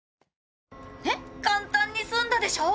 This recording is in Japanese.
ねっ簡単に済んだでしょ。